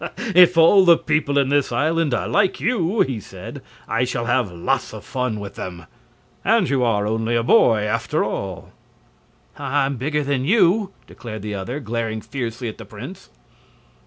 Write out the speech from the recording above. "If all the people in this island are like you," he said, "I shall have lots of fun with them. And you are only a boy, after all." "I'm bigger than you!" declared the other, glaring fiercely at the prince.